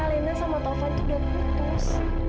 alena sama taufan itu udah putus